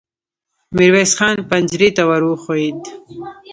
ميرويس خان پنجرې ته ور وښويېد.